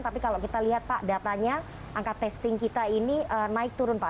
tapi kalau kita lihat pak datanya angka testing kita ini naik turun pak